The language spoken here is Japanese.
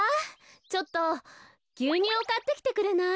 ちょっとぎゅうにゅうをかってきてくれない？